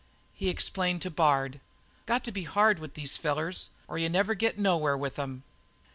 He explained to Bard: "Got to be hard with these fellers or you never get nowhere with 'em."